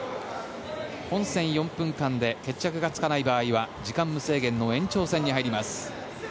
本戦４分間で決着がつかない場合は時間無制限の延長戦に入ります。